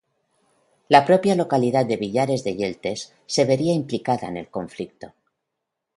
La propia localidad de Villares de Yeltes, se vería implicada en el conflicto.